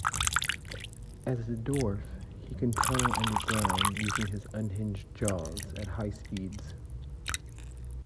As a dwarf, he can tunnel underground using his unhinged jaws at high speeds.